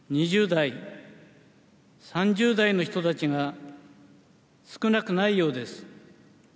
２０代、３０代の人たちが少なくないようです。